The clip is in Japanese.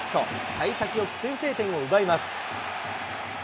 さい先よく先制点を奪います。